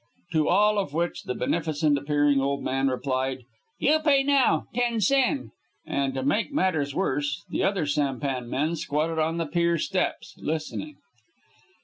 To all of which the beneficent appearing old man replied: "You pay now. Ten sen." And, to make matters worse, the other sampan men squatted on the pier steps, listening.